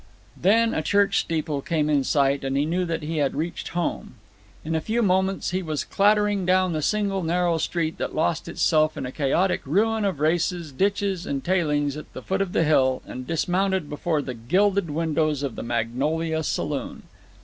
Then a church steeple came in sight, and he knew that he had reached home. In a few moments he was clattering down the single narrow street that lost itself in a chaotic ruin of races, ditches, and tailings at the foot of the hill, and dismounted before the gilded windows of the "Magnolia" saloon.